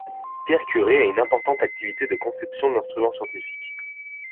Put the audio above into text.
Pierre Curie a une importante activité de conception d'instruments scientifiques.